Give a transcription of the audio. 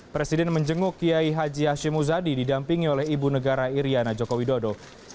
presiden menjenguk kiai haji hashim musadi didampingi oleh ibu negara iryana jokowi dodo